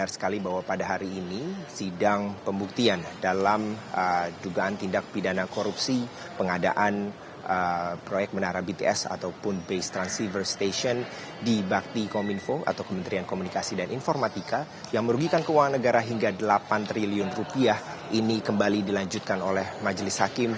selamat siang freddy